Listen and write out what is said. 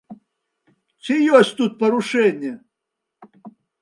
Ці ёсць тут парушэнне?